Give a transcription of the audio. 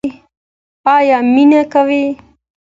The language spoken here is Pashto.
ایا مینه کوئ؟